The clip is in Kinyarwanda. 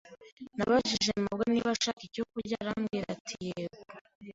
Nabajije mabwa niba ashaka icyo kurya arambwira ati yego.